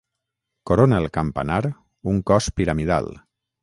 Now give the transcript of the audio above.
Corona el campanar un cos piramidal.